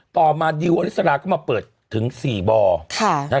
ต่อมาดิวอลิสราก็มาเปิดถึง๔บ่อ